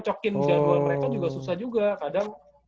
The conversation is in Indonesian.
cokin jadwal mereka juga susah juga kadang